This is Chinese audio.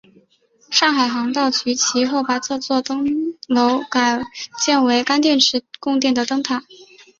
上海航道局其后把这座灯楼改建为干电池供电的灯塔。